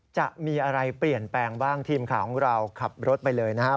จะมีอะไรเปลี่ยนแปลงบ้างทีมข่าวของเราขับรถไปเลยนะฮะ